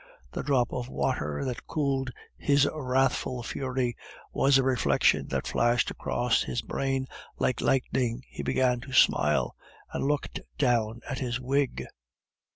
The drop of water that cooled his wrathful fury was a reflection that flashed across his brain like lightning. He began to smile, and looked down at his wig.